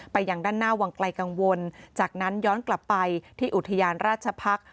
ไปยังด้านหน้าวังไกลกังวลจากนั้นย้อนกลับไปที่อุทยานราชพักษ์